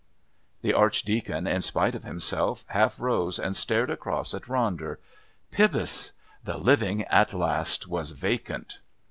The Archdeacon, in spite of himself, half rose and stared across at Ronder. Pybus! The living at last was vacant.